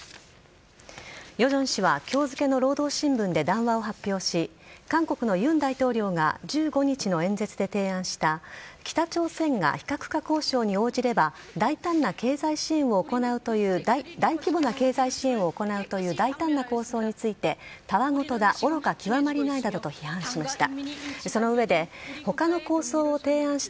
ヨジョン氏は今日付の労働新聞で談話を発表し韓国の尹大統領が１５日の演説で発表した北朝鮮が非核化交渉に応じれば大規模な経済支援を行うという大胆な構想について戯言だ、愚か極まりないなどと批判しました。